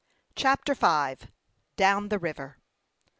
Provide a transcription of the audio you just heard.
CHAPTER V. DOWN THE RIVER.